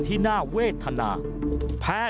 มันกลับมาแล้ว